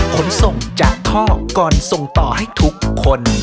ขนส่งจากท่อก่อนส่งต่อให้ทุกคน